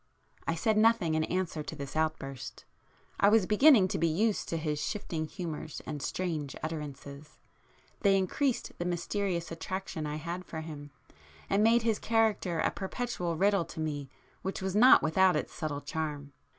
I said nothing in answer to this outburst,—I was beginning to be used to his shifting humours and strange utterances,—they increased the mysterious attraction I had for him, and made his character a perpetual riddle to me which was not without its subtle charm.